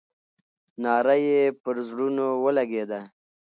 ناره یې پر زړونو ولګېده.